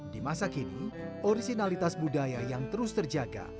di masa kini originalitas budaya yang terus terjaga